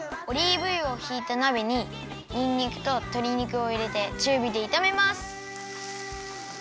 オリーブ油をひいたなべににんにくととり肉をいれてちゅうびでいためます。